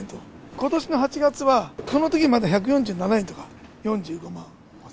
ことしの８月は、このときまだ１４７円とか、４５万。